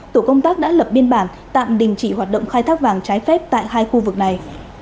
tổ công tác đã lập biên bản tạm đình chỉ hoạt động khai thác vàng trái phép tại hai khu vực này